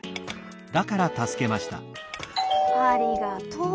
「ありがとう」。